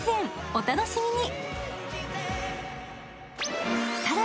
お楽しみに。